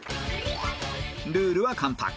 ルールは簡単